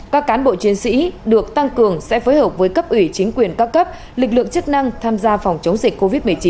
các cán bộ chiến sĩ được tăng cường sẽ phối hợp với cấp ủy chính quyền các cấp lực lượng chức năng tham gia phòng chống dịch covid một mươi chín